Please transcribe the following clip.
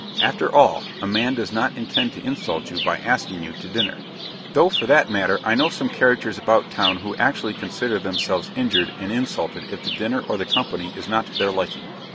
After all, a man does not intend to insult you by asking you to dinner. Though, for that matter, I know some characters about town who actually consider themselves injured and insulted if the dinner or the company is not to their liking.